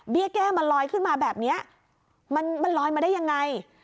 แก้มันลอยขึ้นมาแบบนี้มันลอยมาได้ยังไง